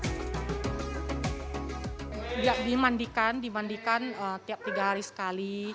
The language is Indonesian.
tidak dimandikan dimandikan tiap tiga hari sekali